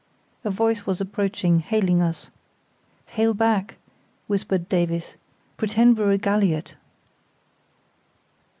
A voice was approaching, hailing us. "Hail back," whispered Davies; "pretend we're a galliot."